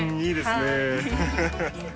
いいですね。